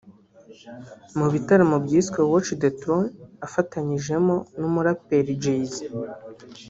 mu bitaramo byiswe "Watch the Throne" afatanyijemo n’umuraperi Jay-Z